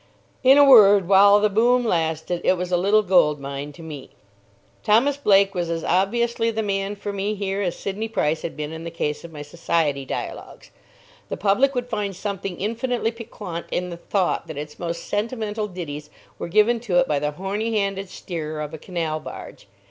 In a word, while the boom lasted, it was a little gold mine to me. Thomas Blake was as obviously the man for me here as Sidney Price had been in the case of my Society dialogues. The public would find something infinitely piquant in the thought that its most sentimental ditties were given to it by the horny handed steerer of a canal barge.